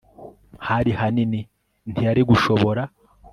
hari hanini ntiyari gushobora